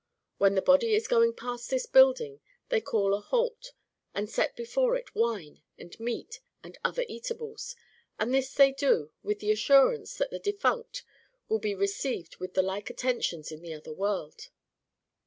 When the body is going past this building they call a halt and set before it wine and meat and other eatables : and this they do with the assurance that the defunct will be received with the like attentions in the other world.